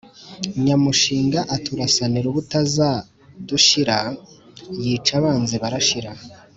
Nyamushinga aturasanira ubutazadushira, Yica abanzi barashira.